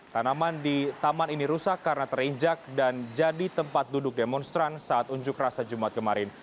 tanaman di taman ini rusak karena terinjak dan jadi tempat duduk demonstran saat unjuk rasa jumat kemarin